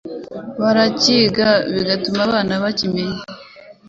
barakiga bigatuma abana bakimenya